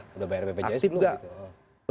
sudah bayar bpjs belum